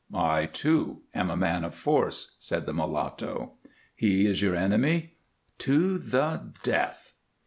"I, too, am a man of force," said the mulatto. "He is your enemy?" "To the death."